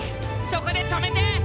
そこで止めて！